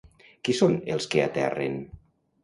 Qui són els que aterren?